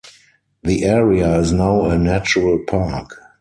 The area is now a Natural Park.